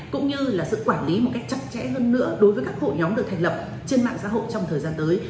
cũng như là sự quản lý một cách chặt chẽ hơn nữa đối với các vụ nhóm được thành lập trên mạng xã hội trong thời gian tới